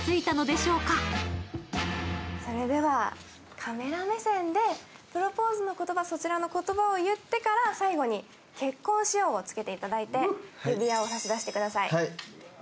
カメラ目線でプロポーズの言葉を言ってから最後に結婚しようをつけていただいて指輪を差し出してください。